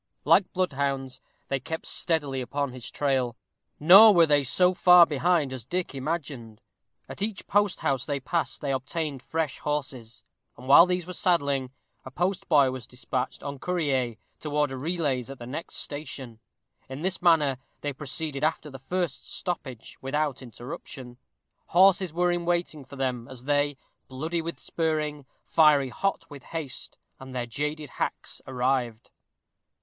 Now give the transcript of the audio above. Like bloodhounds, they kept steadily upon his trail; nor were they so far behind as Dick imagined. At each post house they passed they obtained fresh horses, and, while these were saddling, a postboy was despatched en courrier to order relays at the next station. In this manner they proceeded after the first stoppage without interruption. Horses were in waiting for them, as they, "bloody with spurring, fiery hot with haste," and their jaded hacks arrived.